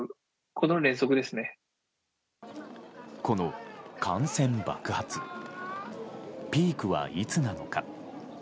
この感染爆発ピークはいつなのか。